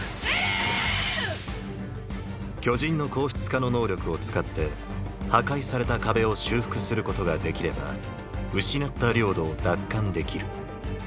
巨人の硬質化の能力を使って破壊された壁を修復することができれば失った領土を奪還できる。